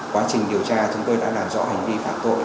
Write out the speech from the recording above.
quá trình điều tra chúng tôi đã làm rõ hành vi phạm tội